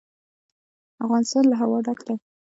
افغانستان له هوا ډک دی.